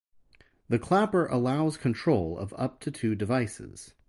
The Clapper allows control of up to two devices.